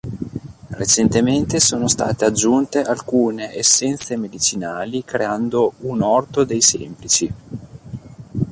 Recentemente sono state aggiunte alcune essenze medicinali creando un "orto dei semplici".